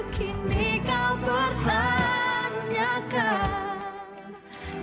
kini kau bertanyakan